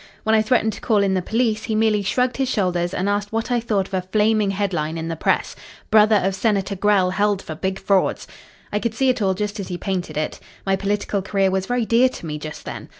When I threatened to call in the police, he merely shrugged his shoulders and asked what I thought of a flaming headline in the press: 'BROTHER OF SENATOR GRELL HELD FOR BIG FRAUDS.' "I could see it all just as he painted it. My political career was very dear to me just then.